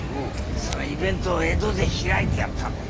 そのイベントを江戸で開いてやったんだよ。